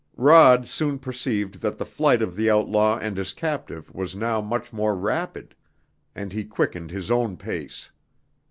Rod soon perceived that the flight of the outlaw and his captive was now much more rapid, and he quickened his own pace.